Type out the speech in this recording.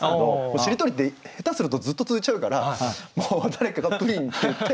しりとりって下手するとずっと続いちゃうからもう誰かが「プリン」って言って終わらせる。